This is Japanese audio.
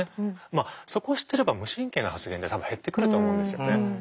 まあそこを知っていれば無神経な発言って多分減ってくると思うんですよね。